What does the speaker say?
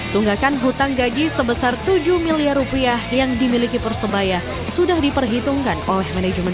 tunggakan hutang gaji sebesar tujuh miliar rupiah yang dimiliki persebaya sudah diperhitungkan oleh manajemen